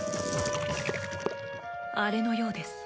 あれのようです。